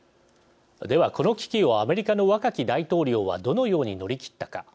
では、この危機をアメリカの若き大統領はどのように乗り切ったか。